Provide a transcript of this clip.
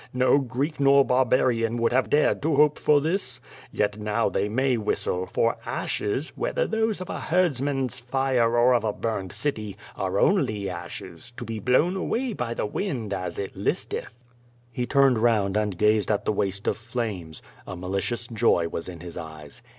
No Greek nor bar barian would have dared to hope for this. Yet now they may whist le^ for ashcs^ whether those of a herdsman's fire or of a QUO VADI8, 331 burned city, are only ashes, to be blown away by the wind as it listeth." He turned round and gazed at the waste of flames. A ma licious joy was in his eyes.